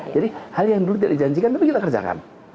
jadi hal yang dulu tidak dijanjikan tapi kita kerjakan